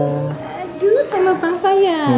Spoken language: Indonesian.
aduh sama papa ya